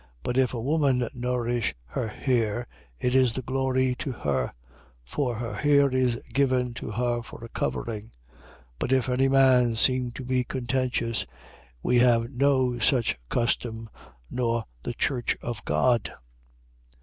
11:15. But if a woman nourish her hair, it is a glory to her; for her hair is given to her for a covering. 11:16. But if any man seem to be contentious, we have no such custom, nor the Church of God.